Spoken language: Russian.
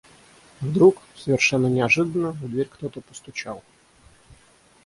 Вдруг, совершенно неожиданно, в дверь кто-то постучал.